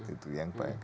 itu yang baik